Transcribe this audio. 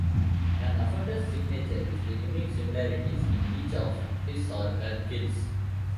An offender's signature is the unique similarities in each of his or her kills.